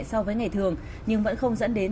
so với ngày thường nhưng vẫn không dẫn đến